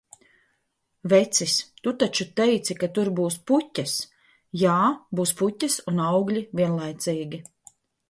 Vecis: "Tu taču teici, ka tur būs puķes?" Jā, būs puķes un augļi vienlaicīgi.